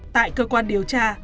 tại cơ quan điều tra